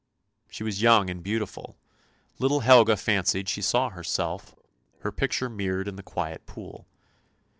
She was young and beautiful; little Helga fancied she saw herself, her picture mirrored in the quiet pool.